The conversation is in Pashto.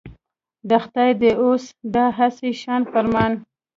د خدای دی اوس دا هسي شان فرمان.